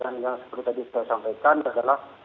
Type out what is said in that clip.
dan yang seperti tadi saya sampaikan adalah